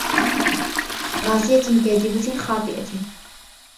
ناصِيَةٍ كاذِبَةٍ خاطِئَةٍ